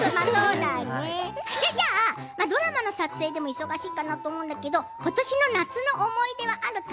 ドラマの撮影でも忙しいと思うんだけど今年の夏の思い出はある？